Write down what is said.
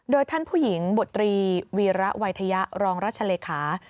โดยท่านผู้หญิงบุตรีวีระวัยทยะรองราชเลขา